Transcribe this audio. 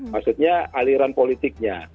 maksudnya aliran politiknya